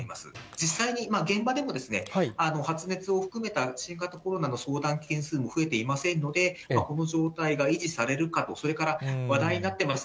実際に現場でも、発熱を含めた新型コロナの相談件数も増えていませんので、この状態が維持されるかと、それから話題になっています